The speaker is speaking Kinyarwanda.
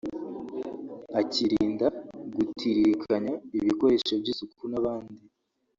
akirinda gutiririkanya ibikoresho by’isuku n’abandi